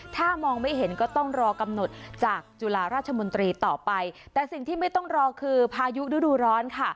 ถ้ามองไม่เห็นก็ต้องรอกำหนดจากจุฬาราชมนตรีต่อไปแต่สิ่งที่ไม่ต้องรอคือพายุฤดูร้อนค่ะ